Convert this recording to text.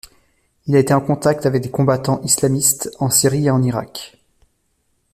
Il a été en contact avec des combattants islamistes en Syrie et en Irak.